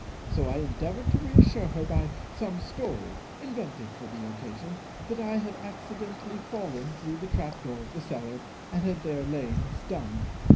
So I endeavoured to reassure her by some story, invented for the occasion, that I had accidentally fallen through the trap door of the cellar, and had there lain stunned.